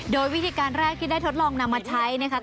โดยวิธีการแรกที่ได้ทดลองนำมาใช้นะคะ